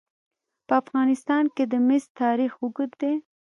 په افغانستان کې د مس تاریخ اوږد دی.